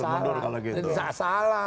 gak ada salah salah